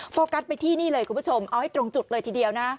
โฟกัสไปที่นี่เลยคุณผู้ชมเอาให้ตรงจุดเลยทีเดียวนะ